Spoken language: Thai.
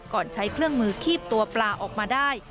ใช้เครื่องมือคีบตัวปลาออกมาได้